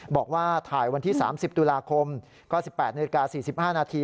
บอกว่าถ่ายวันที่๓๐ตุลาคมก็๑๘นาฬิกา๔๕นาที